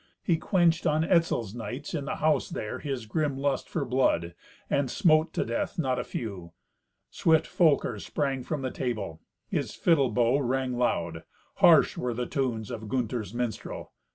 He quenched on Etzel's knights, in the house there, his grim lust for blood, and smote to death not a few. Swift Folker sprang from the table; his fiddle bow rang loud. Harsh were the tunes of Gunther's minstrel.